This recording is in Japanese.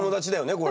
これ。